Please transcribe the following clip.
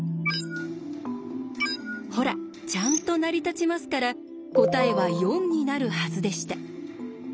ほらちゃんと成り立ちますから答えは４になるはずでした。